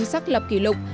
xác lập kỷ lục